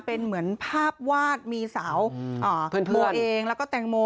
เป็นเหมือนภาพวาดมีสาวตัวเองแล้วก็แตงโม